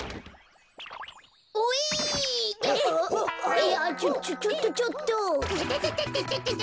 いやあちょっちょっとちょっと。